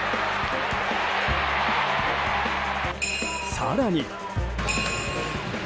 更に。